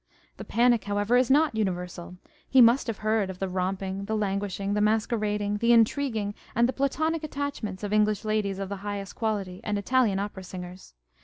The panic, however, is not universal. He must have heard of the romping, the languishing, the masquerading, the in triguing, and the Platonic attachments of English ladies of the highest quality and Italian Opera singers.